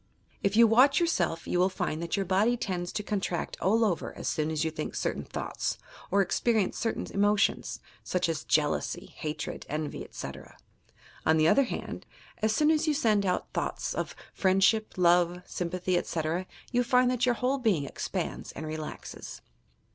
If you watch yourself you will find that your body tends to contract all over as soon as you think certain thoughts or experience certain emotions, such as jealousy, hatred, envy, etc. On the other hand, as soon as you send out thoughts of friend I HEALTH OP MEDIUMS A>fD PSYCHICS 67 ship, love, sympathy, etc., you find that your whole being expands and relaxes.